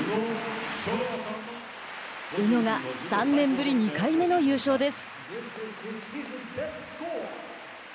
宇野が３年ぶり２回目の優勝です。